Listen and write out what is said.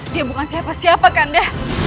dia bukan siapa siapa ganda